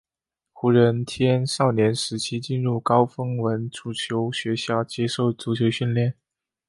胡人天少年时期进入高丰文足球学校接受足球训练。